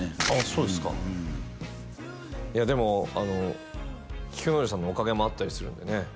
そうですかいやでも菊之丞さんのおかげもあったりするんでね